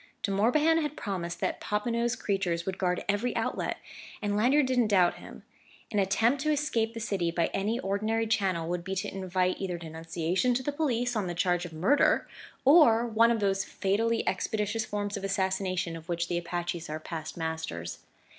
De Morbihan had promised that Popinot's creatures would guard every outlet; and Lanyard didn't doubt him. An attempt to escape the city by any ordinary channel would be to invite either denunciation to the police on the charge of murder, or one of those fatally expeditious forms of assassination of which the Apaches are past masters.